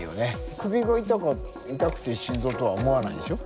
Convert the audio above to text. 首が痛くて心臓とは思わないでしょ。